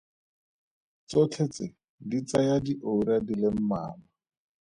Tsotlhe tse di tsaya diura di le mmalwa.